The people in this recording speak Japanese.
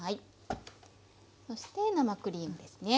そして生クリームですね。